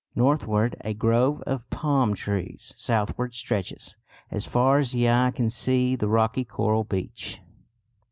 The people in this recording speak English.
Northward a grove of palm trees; southward stretches, as far as the eye can see, the rocky coral beach.